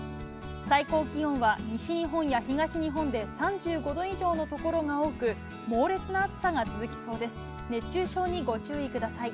最高気温は西日本や東日本で３５度以上の所が多く、猛烈な暑さが続きそうです。